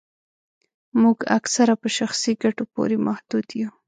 موږ اکثره په شخصي ګټو پوري محدود یو